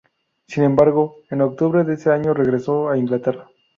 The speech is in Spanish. Sin embargo, en octubre de ese año regresó a Inglaterra.